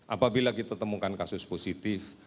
apabila kita temukan kasus positif